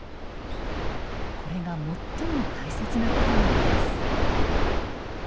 これが最も大切なことなんです。